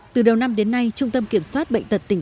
từ đầu năm đến nay trung tâm kiểm soát bệnh tật tỉnh